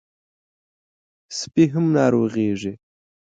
سپي هم ناروغېږي.